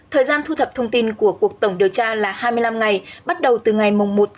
thời gian thu thập thông tin của cuộc tổng điều tra là hai mươi năm ngày bắt đầu từ ngày một bốn hai nghìn một mươi chín